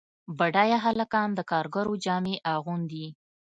بډایه هلکان د کارګرو جامې اغوندي.